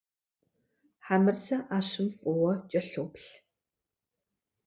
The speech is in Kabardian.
Хьэмырзэ ӏэщым фӏыуэ кӏэлъоплъ.